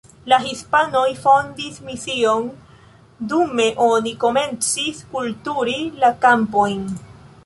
La hispanoj fondis mision, dume oni komencis kulturi la kampojn.